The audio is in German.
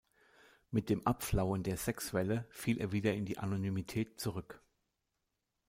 Mit dem Abflauen der Sexwelle fiel er wieder in die Anonymität zurück.